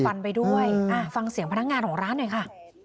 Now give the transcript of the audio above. ไปด้วยฟังเสียงพนักงานของร้านหน่อยค่ะ